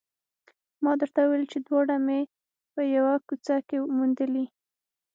ما درته وویل چې دواړه مې په یوه کوڅه کې موندلي